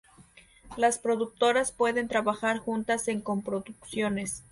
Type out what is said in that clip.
Las productoras pueden trabajar juntas en coproducciones.